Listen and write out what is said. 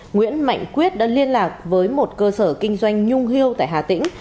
nguyễn mạnh quyết đã liên lạc với một cơ sở kinh doanh nhung hiêu tại hà tĩnh